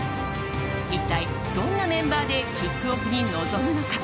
一体どんなメンバーでキックオフに臨むのか。